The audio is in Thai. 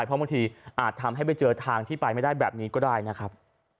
เพราะบางทีอาจทำให้ไปเจอทางที่ไปไม่ได้แบบนี้ก็ได้นะครับ